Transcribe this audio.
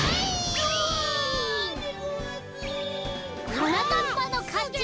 はなかっぱのかち！